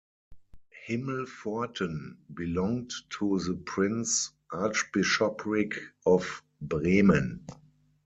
Himmelpforten belonged to the Prince-Archbishopric of Bremen.